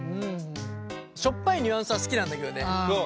しょっぱいニュアンスは好きなんだけどね。